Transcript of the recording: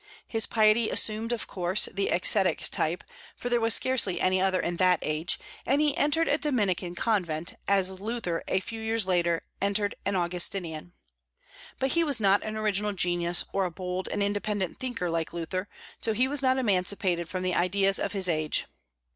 His piety assumed, of course, the ascetic type, for there was scarcely any other in that age, and he entered a Dominican convent, as Luther, a few years later, entered an Augustinian. But he was not an original genius, or a bold and independent thinker like Luther, so he was not emancipated from the ideas of his age.